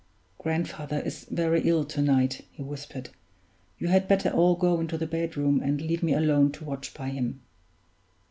"Grandfather is very ill to night," he whispered. "You had better all go into the bedroom, and leave me alone to watch by him."